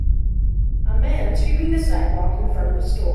A man sweeping the sidewalk in front of a store.